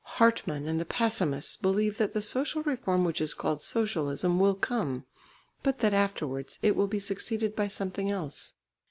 Hartmann and the pessimists believe that the social reform which is called socialism will come, but that afterwards, it will be succeeded by something else.